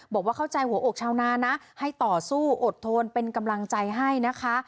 บอกว่าเข้าใจหัวอกชาวนานะให้ต่อสู้อดทนเป็นกำลังใจให้นะคะ